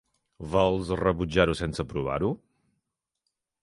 Vols rebutjar-ho sense provar-ho?